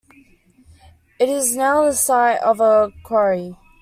It is now the site of a quarry.